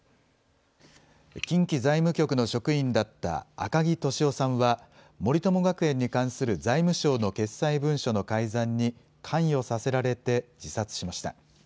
近畿財務局の職員だった赤木俊夫さんは、森友学園に関する財務省の決裁文書の改ざんに関与させられて自殺しました。